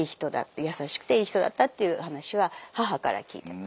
優しくていい人だったという話は母から聞いてます。